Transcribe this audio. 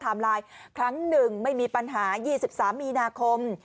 ทัมไลน์ครั้ง๑ไม่มีปัญหา๒๓มีนาคม